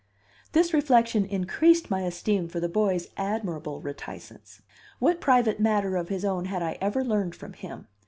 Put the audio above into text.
This reflection increased my esteem for the boy's admirable reticence. What private matter of his own had I ever learned from him?